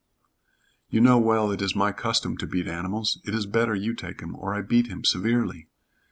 "You know well it is my custom to beat animals. It is better you take him, or I beat him severely."